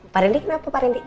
pak randy kenapa pak randy